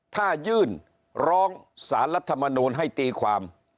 ถ้ายื่นร้องสารรัฐมนูลให้ตีความ